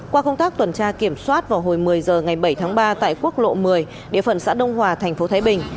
qua công tác tuần tra kiểm soát vào hồi một mươi h ngày bảy tháng ba tại quốc lộ một mươi địa phận xã đông hòa thành phố thái bình